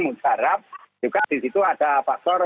mudah harap juga disitu ada faktor